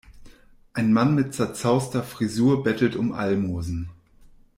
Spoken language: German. Ein Mann mit zerzauster Frisur bettelt um Almosen.